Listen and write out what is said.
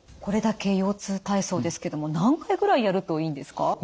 これだけ腰痛体操ですけども何回ぐらいやるといいんですか？